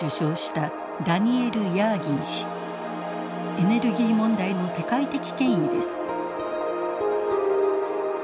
エネルギー問題の世界的権威です。